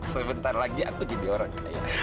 sebentar lagi aku jadi orang